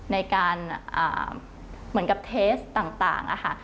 ในการเหมือนกับเทสต่างค่ะ